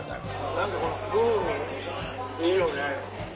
何かこの風味いいよね。